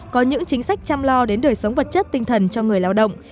có những chính sách chăm lo đến đời sống vật chất tinh thần cho người lao động